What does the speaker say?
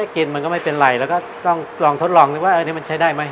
กินมันก็ไม่เป็นไรแล้วก็ต้องลองทดลองนึกว่าอันนี้มันใช้ได้ไหม